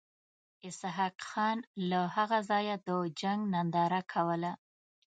اسحق خان له هغه ځایه د جنګ ننداره کوله.